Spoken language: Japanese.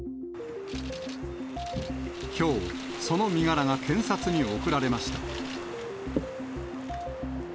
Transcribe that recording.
きょう、その身柄が検察に送られました。